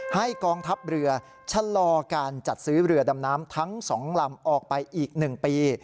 กองทัพเรือชะลอการจัดซื้อเรือดำน้ำทั้ง๒ลำออกไปอีก๑ปี